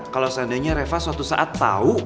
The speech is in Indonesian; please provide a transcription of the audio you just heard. kalau seandainya reva suatu saat tahu